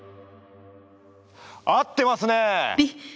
合ってますね！